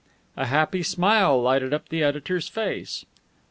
A happy smile lighted up the editor's face.